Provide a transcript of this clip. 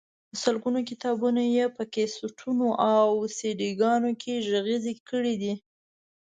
په سلګونو کتابونه یې په کیسټونو او سیډيګانو کې غږیز کړي دي.